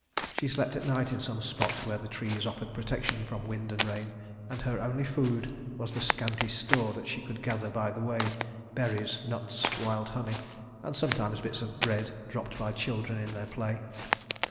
She slept at night in some spot where the trees offered protection from wind and rain, and her only food was the scanty store that she could gather by the way berries, nuts, wild honey, and sometimes bits of bread dropped by children in their play.